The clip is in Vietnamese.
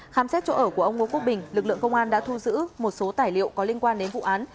khám xét chỗ ở của ông ngô quốc bình lực lượng công an đã thu giữ một số tài liệu có liên quan đến vụ án